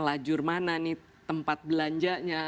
lajur mana nih tempat belanjanya